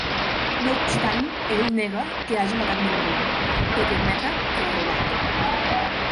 No obstant ell nega que haja matat ningú, tot i admetre que ha robat.